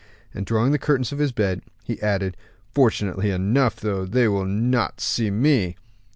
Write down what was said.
And drawing the curtains of his bed, he added, "Fortunately enough, though, they will not see me."